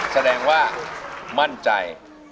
แสดงว่ามั่นใจ